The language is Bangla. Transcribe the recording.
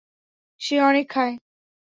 সে অনেক খায়।